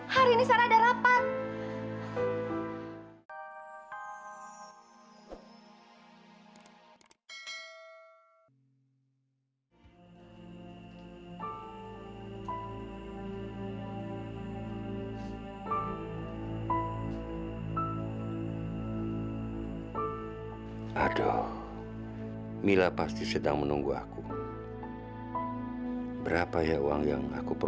hari ini sarah ada rapat